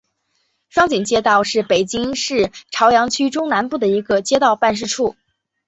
双井街道是北京市朝阳区中南部的一个街道办事处。